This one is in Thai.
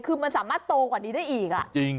คือมันสามารถโตกว่านี้ได้อีก